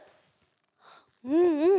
うんうん。